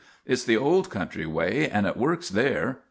It 's the Old Country way and it works there.